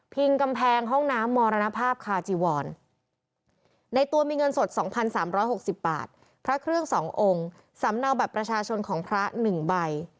กำแพงห้องน้ำมรณภาพคาจีวรในตัวมีเงินสด๒๓๖๐บาทพระเครื่อง๒องค์สำเนาบัตรประชาชนของพระ๑ใบ